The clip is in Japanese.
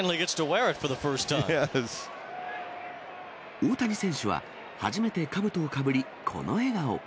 大谷選手は、初めてかぶとをかぶり、この笑顔。